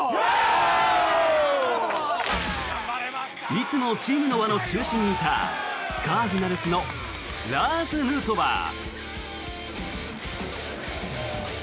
いつもチームの輪の中心にいたカージナルスのラーズ・ヌートバー。